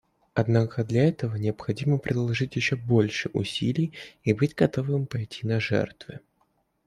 Однако для этого необходимо приложить еще больше усилий и быть готовым пойти на жертвы.